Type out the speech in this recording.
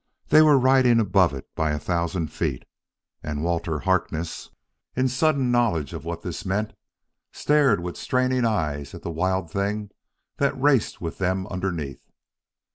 They were riding above it by a thousand feet, and Walter Harkness, in sudden knowledge of what this meant, stared with straining eyes at the wild thing that raced with them underneath.